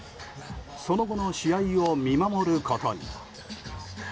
その後の試合を見守ることに。